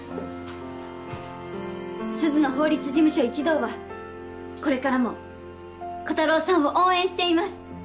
鈴野法律事務所一同はこれからもコタローさんを応援しています！